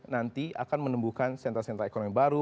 nanti akan menembuhkan sentra sentra ekonomi baru